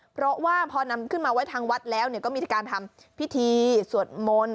เพราะว่าพอนำขึ้นมาไว้ทางวัดแล้วก็มีการทำพิธีสวดมนต์